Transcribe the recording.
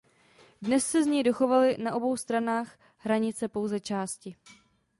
Dnes se z něj dochovaly na obou stranách hranice pouze části.